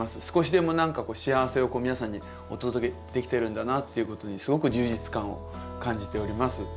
少しでも何か幸せを皆さんにお届けできてるんだなっていうことにすごく充実感を感じております。